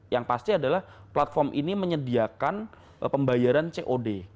yang pasti adalah platform ini menyediakan pembayaran cod